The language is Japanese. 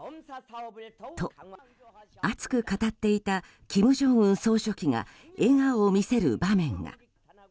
と、熱く語っていた金正恩総書記が笑顔を見せる場面が。